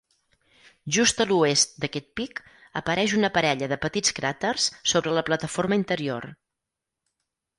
Just a l'oest d'aquest pic apareix una parella de petits cràters sobre la plataforma interior.